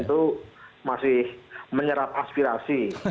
itu masih menyerap aspirasi